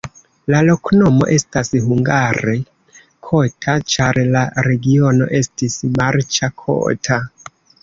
La loknomo estas hungare kota, ĉar la regiono estis marĉa, kota.